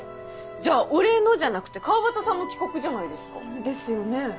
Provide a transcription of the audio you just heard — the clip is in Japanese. じゃあ「俺の」じゃなくて川端さんの企画じゃないですか。ですよね。